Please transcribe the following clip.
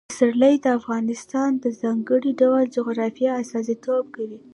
پسرلی د افغانستان د ځانګړي ډول جغرافیه استازیتوب کوي.